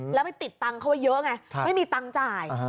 แล้วมันติดเงินเขาเยอะไงไม่มีเงินจ่าย